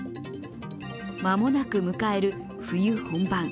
間もなく迎える冬本番。